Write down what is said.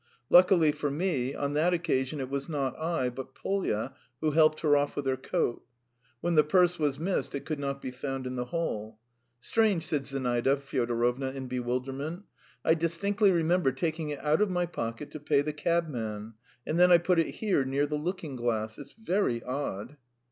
Luckily for me, on that occasion it was not I but Polya who helped her off with her coat. When the purse was missed, it could not be found in the hall. "Strange," said Zinaida Fyodorovna in bewilderment. "I distinctly remember taking it out of my pocket to pay the cabman ... and then I put it here near the looking glass. It's very odd!"